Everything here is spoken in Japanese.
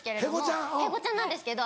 へごちゃんなんですけど。